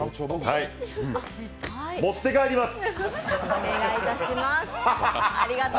はい、持って帰ります。